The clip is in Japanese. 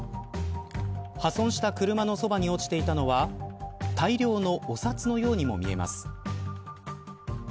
破損した車のそばに落ちていたのは大量のお札のようにも見えます。